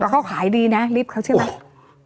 แล้วก็ขายดีนะลิฟท์เขาใช่ไหม